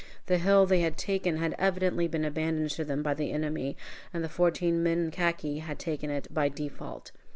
The hill they had taken had evidently been abandoned to them by the enemy, and the fourteen men in khaki had taken it by "default."